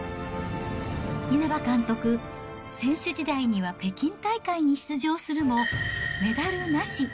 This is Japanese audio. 稲葉監督、選手時代には北京大会に出場するも、メダルなし。